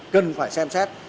cần phải xem xét